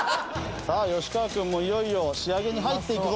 さあ吉川君もいよいよ仕上げに入っていくぞ。